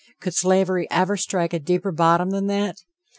Could slavery ever strike a deeper bottom than that?